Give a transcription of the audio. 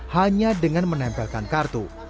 hanya dengan menempelkan kartu